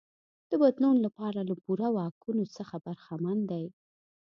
د بدلون لپاره له پوره واکونو څخه برخمن دی.